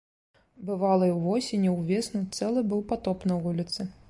Бывала, і ўвосень, і ўвесну цэлы быў патоп на вуліцы.